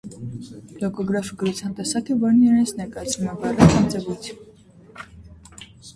Լոգոգրաֆը գրության տեսակ է, որն իրենից ներկայացնում է բառեր կամ ձևույթ։